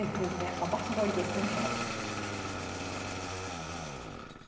幅広いですね。